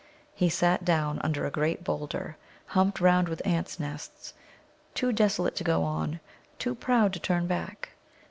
He sat down under a great boulder, humped round with ants' nests, too desolate to go on, too proud to turn back.